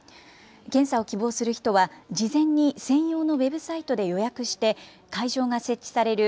検査を希望する人は事前に専用のウェブサイトで予約して会場が設置される